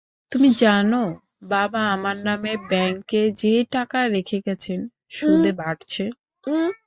তুমি জানো, বাবা আমার নামে ব্যাঙ্কে যে টাকা রেখে গেছেন, সুদে বাড়ছে।